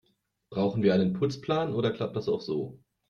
Brauchen wir einen Putzplan, oder klappt das auch so?